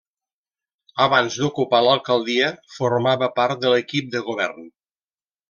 Abans d'ocupar l'alcaldia, formava part de l'equip de govern.